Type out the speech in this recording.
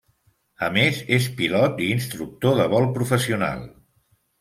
A més, és pilot i instructor de vol professional.